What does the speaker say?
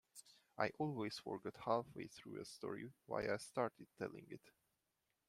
I always forget halfway through a story why I started telling it.